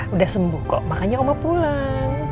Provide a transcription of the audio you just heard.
udah sembuh kok makanya oma pulang